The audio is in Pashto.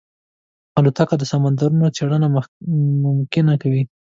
الوتکه د سمندرونو څېړنه ممکنه کوي.